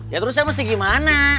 ya terus saya mesti gimana